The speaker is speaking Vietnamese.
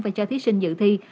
và cho thí sinh dự thi